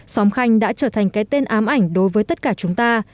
xóm khanh đã trở thành cái tên ám ảnh đối với tất cả chúng ta